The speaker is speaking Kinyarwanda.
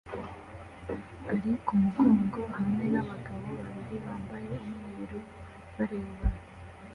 ari kumugongo hamwe nabagabo babiri bambaye umweru bareba